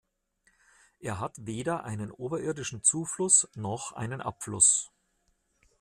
Er hat weder einen oberirdischen Zufluss noch einen Abfluss.